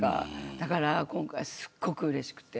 だから今回、すごくうれしくて。